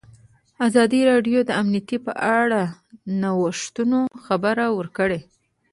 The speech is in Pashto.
ازادي راډیو د امنیت په اړه د نوښتونو خبر ورکړی.